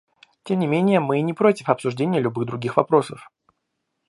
Тем не менее, мы не против обсуждения любых других вопросов.